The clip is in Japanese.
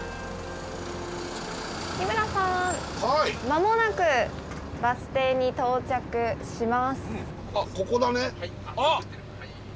間もなくバス停に到着します。